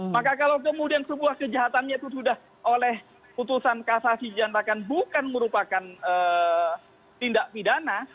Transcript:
maka kalau kemudian sebuah kejahatannya itu sudah oleh putusan kasasi dinyatakan bukan merupakan tindak pidana